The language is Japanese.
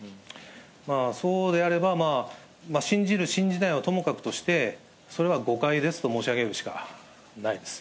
そうであれば、信じる、信じないはともかくとして、それは誤解ですと申し上げるしかないです。